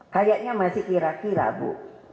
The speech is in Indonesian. kayaknya masih kira kira bu